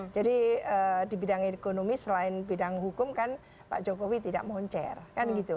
jadi dibidang ekonomi selain bidang hukum kan pak jokowi tidaketchare